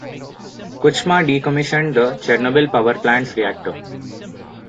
Kuchma decommissioned the Chernobyl power plant's reactor.